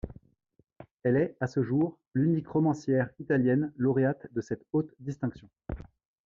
Elle est, à ce jour, l'unique romancière italienne lauréate de cette haute distinction.